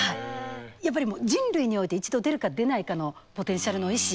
やっぱりもう人類において一度出るか出ないかのポテンシャルの石。